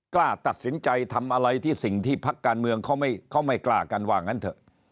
กล้าตัดสินใจทำอะไรที่สิ่งที่พักการเมืองเขาไม่กล้ากันว่างั้นเถอะ